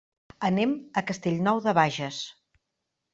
Anem a Castellnou de Bages.